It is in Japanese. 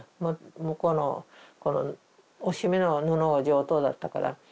向こうのおしめの布が上等だったから。